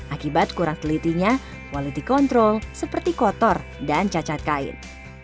akibat kurang telitinya quality control seperti kotor dan cacat kain